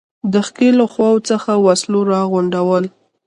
د ښکېلو خواوو څخه وسلو را غونډول.